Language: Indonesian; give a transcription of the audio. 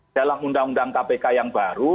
dalam undang undang kpk yang baru